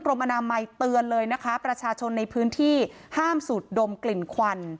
อนามัยเตือนเลยนะคะประชาชนในพื้นที่ห้ามสูดดมกลิ่นควัน